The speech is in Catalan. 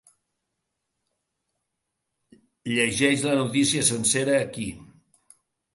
Llegeix la notícia sencera ací.